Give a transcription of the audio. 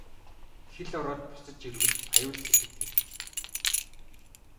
Хэл ороод босож ирвэл аюул гэдэг тэр.